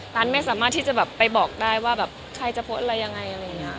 ตันไม่สามารถที่จะแบบไปบอกได้ว่าแบบใครจะโพสต์อะไรยังไงอะไรอย่างนี้